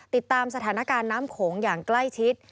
ติดตามสถานการณ์น้ำโขงอย่างใกล้ชิด